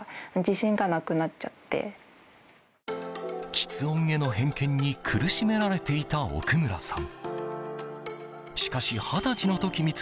吃音への偏見に苦しめられていた奥村さん。